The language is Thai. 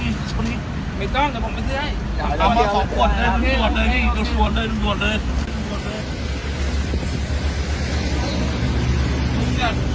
เอามา๒ขวดเลยพี่